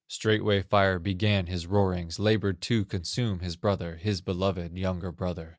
Straightway Fire began his roarings, Labored to consume his brother, His beloved younger brother.